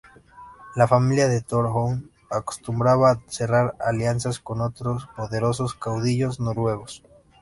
La familia de Tore Hund acostumbraba a cerrar alianzas con otros poderosos caudillos noruegos.